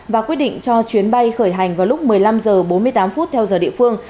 và quyết định cho chuyến bay khởi hành vào lúc một mươi năm h bốn mươi tám theo giờ địa phương